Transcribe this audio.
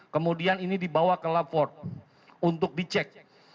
kemudian ini dibawa ke lab ford untuk dicek